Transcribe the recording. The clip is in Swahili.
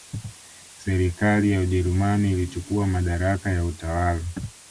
Serikali ya Ujerumani ilichukua madaraka ya utawala